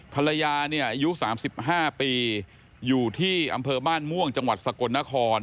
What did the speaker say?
ภรรยาเนี่ยอายุ๓๕ปีอยู่ที่อำเภอบ้านม่วงจังหวัดสกลนคร